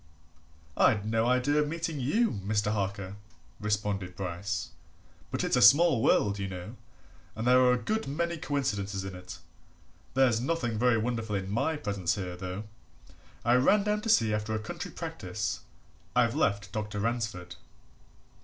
"I'd no idea of meeting you, Mr. Harker," responded Bryce. "But it's a small world, you know, and there are a good many coincidences in it. There's nothing very wonderful in my presence here, though I ran down to see after a country practice I've left Dr. Ransford."